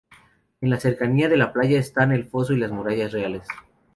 En la cercanía de la playa están el Foso y las Murallas Reales.